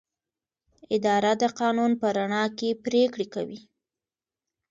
اداره د قانون په رڼا کې پریکړې کوي.